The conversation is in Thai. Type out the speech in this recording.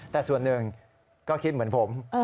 แต่ส่วนหนึ่งก็คิดเหมือนผม